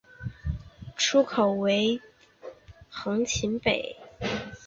出口为横琴北。